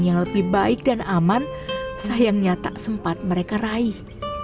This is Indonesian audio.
yang lebih baik dan aman sayangnya tak sempat mereka raih